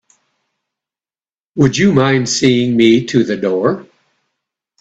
Would you mind seeing me to the door?